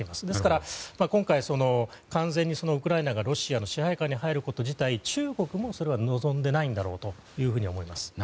ですから今回、完全にウクライナがロシアの支配下に入ること自体中国もそれは望んでないだろうと思います。